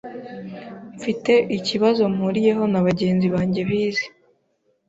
Mfite ikibazo mpuriyeho na bagenzi banjye bize